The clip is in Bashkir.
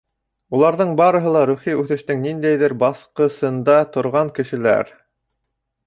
Уларҙың барыһы ла рухи үҫештең ниндәйҙер баҫҡысында торған кешеләр.